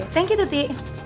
thank you tuti